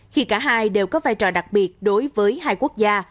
khi cả hai đều có vai trò đặc biệt đối với hai quốc gia